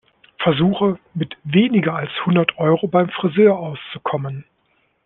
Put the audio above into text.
Versuche, mit weniger als hundert Euro beim Frisör auszukommen.